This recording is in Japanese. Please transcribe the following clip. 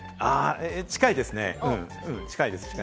近いですね。